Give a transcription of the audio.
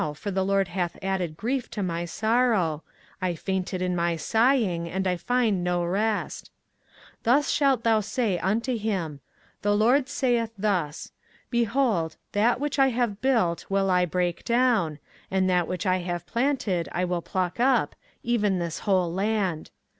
for the LORD hath added grief to my sorrow; I fainted in my sighing, and I find no rest. 24:045:004 Thus shalt thou say unto him, The LORD saith thus; Behold, that which I have built will I break down, and that which I have planted I will pluck up, even this whole land.